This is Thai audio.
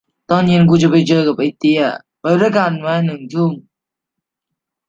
ตอนเย็นกูจะไปเจอไอ้เต้ย ไปด้วยกันไหม ทุ่มนึง